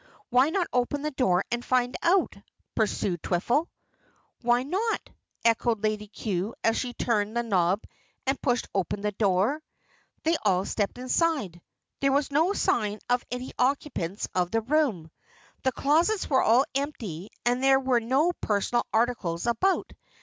"Why not open the door and find out?" pursued Twiffle. "Why not?" echoed Lady Cue as she turned the knob and pushed open the door. They all stepped inside. There was no sign of any occupants of the room. The closets were all empty and there were no personal articles about.